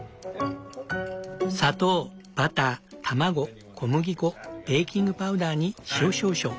砂糖バター卵小麦粉ベーキングパウダーに塩少々。